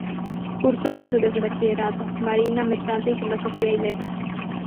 Cursó estudios de bachillerato, marina mercante y filosofía y letras.